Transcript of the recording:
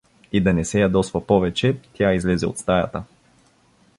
И да не се ядосва повече, тя излезе от стаята.